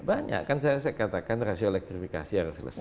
banyak kan saya katakan rasio elektrifikasi harus selesai